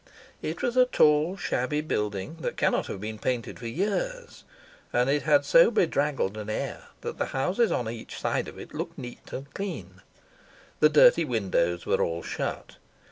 It was a tall, shabby building, that cannot have been painted for years, and it had so bedraggled an air that the houses on each side of it looked neat and clean. The dirty windows were all shut.